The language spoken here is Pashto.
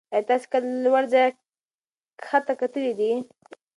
ایا تاسې کله له لوړ ځایه کښته کتلي دي؟